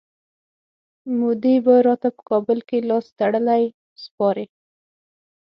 مودي به راته په کابل کي لاستړلی سپارئ.